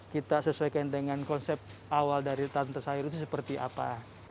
kita sesuaikan dengan konsep awal dari tante sayur itu seperti apa